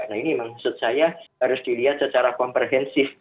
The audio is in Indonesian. nah ini memang menurut saya harus dilihat secara komprehensif